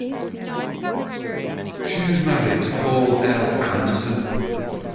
She is married to Paul L. Anderson.